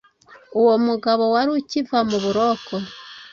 uwo mugabo wari ukiva mu buroko,